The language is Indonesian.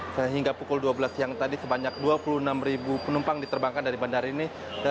sehingga pukul dua belas siang tadi sebanyak dua puluh enam penumpang diterbangkan dari bandara ini